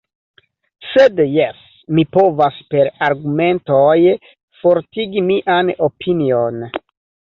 Sed jes, mi povas per argumentoj fortigi mian opinion.